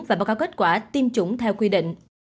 và báo cáo kết quả tiêm chủng theo quy định